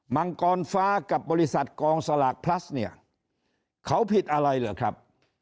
มังกรฟ้ากับบริษัทกองสลากพลัสเนี่ยเขาผิดอะไรเหรอครับ